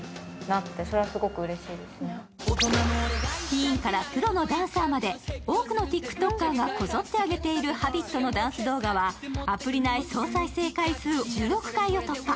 ティーンからプロのダンサーまで、多くのＴｉｋＴｏｋｅｒがこぞってあげている「Ｈａｂｉｔ」のダンス動画はアプリ内総再生回数１０億回を突破。